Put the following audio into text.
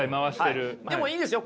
でもいいですよ。